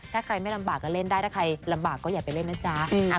ถ้าใครไม่ลำบากก็เล่นได้ถ้าใครลำบากก็อย่าไปเล่นนะจ๊ะ